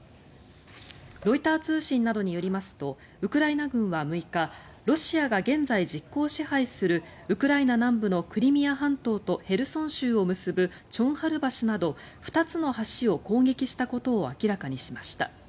ロイター通信などによりますとウクライナ軍は６日ロシアが現在、実効支配するウクライナ南部のクリミア半島とヘルソン州を結ぶチョンハル橋など２つの橋を攻撃したことを明らかにしました。